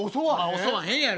襲わへんやろ。